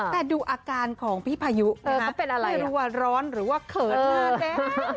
แต่ดูอาการของพี่พายุนะคะไม่รู้ว่าร้อนหรือว่าเขินมากแน่